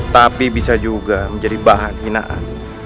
tapi bisa juga menjadi bahan hinaan